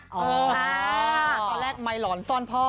ตอนแรกไมค์หลอนซ่อนพ่อ